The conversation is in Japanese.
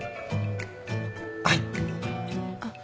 はい。